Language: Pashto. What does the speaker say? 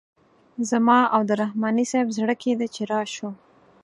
زما او د رحماني صیب زړه کیده چې راشو.